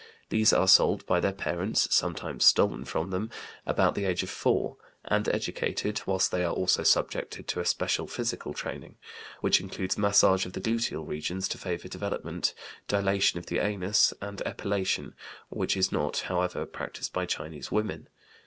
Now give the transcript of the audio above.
These are sold by their parents (sometimes stolen from them), about the age of 4, and educated, while they are also subjected to a special physical training, which includes massage of the gluteal regions to favor development, dilatation of the anus, and epilation (which is not, however, practised by Chinese women).